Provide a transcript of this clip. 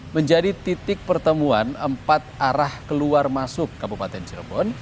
menjadi titik pertemuan empat arah keluar masuk kabupaten cirebon